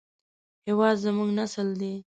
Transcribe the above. هېواد زموږ نسل دی